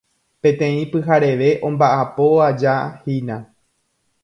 Peteĩ pyhareve omba'apo'ajahína